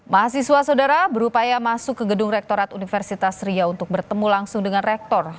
mahasiswa saudara berupaya masuk ke gedung rektorat universitas ria untuk bertemu langsung dengan rektor